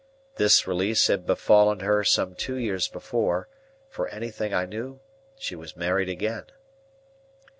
This release had befallen her some two years before; for anything I knew, she was married again.